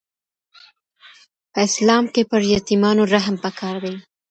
په اسلام کي پر یتیمانو رحم پکار دی.